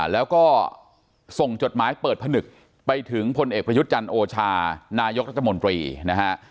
แล้วก็ส่งจดหมายเปิดผนึกไปถึงพลเอกประยุทธ์จันทร์โอชานายกรัฐมนตรีนะฮะ